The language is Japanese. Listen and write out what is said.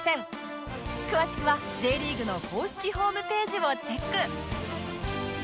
詳しくは Ｊ リーグの公式ホームページをチェック